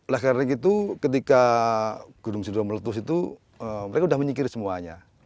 lekar lekar itu ketika gunung sindoro meletus itu mereka sudah menyikir semuanya